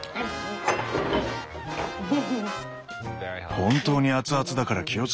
本当に熱々だから気をつけて。